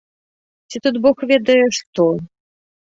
Ці тут бог ведае што?!.